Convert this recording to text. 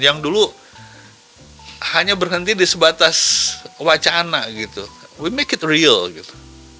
yang dulu hanya berhenti di sebatas wacana kita membuatnya nyata